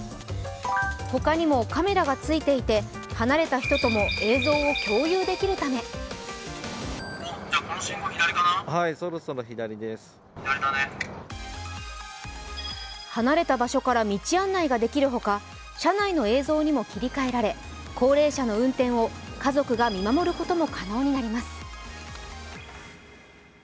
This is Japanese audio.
他にもカメラがついていて離れた人とも映像を共有できるため離れた場所から道案内ができるほか、車内の映像にも切り替えられ、高齢者の運転を家族が見守ることも可能になります。